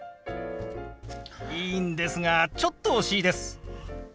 いいんですがちょっと惜しいです。